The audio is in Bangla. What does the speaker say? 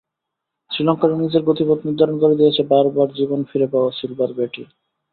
শ্রীলঙ্কার ইনিংসের গতিপথ নির্ধারণ করে দিয়েছে বারবার জীবন ফিরে পাওয়া সিলভার ব্যাটই।